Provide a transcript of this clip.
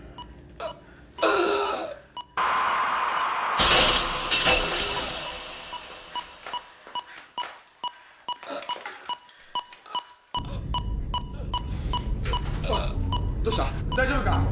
あどうした大丈夫か！？